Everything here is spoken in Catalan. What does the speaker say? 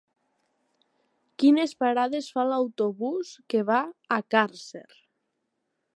Quines parades fa l'autobús que va a Càrcer?